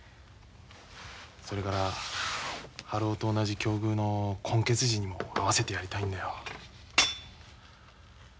それから春男と同じ境遇の混血児にも会わせてやりたいんだよ。